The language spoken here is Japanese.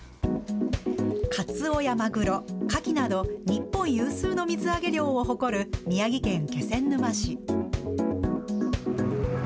カツオやマグロ、カキなど、日本有数の水揚げ量を誇る宮城県気仙沼市。